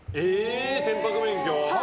船舶免許？